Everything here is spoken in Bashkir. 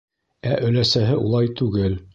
Ә өләсәһе улай түгел.